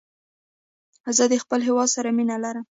زه د خپل هېواد سره مینه لرم